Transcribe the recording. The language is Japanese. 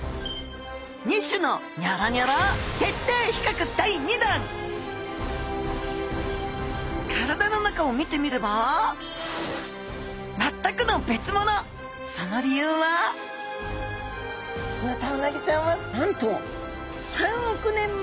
２種のニョロニョロ体の中を見てみればその理由はヌタウナギちゃんはなんと３億年前！